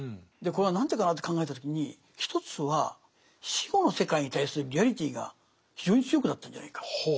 これは何でかなって考えた時に一つは死後の世界に対するリアリティーが非常に強くなったんじゃないか。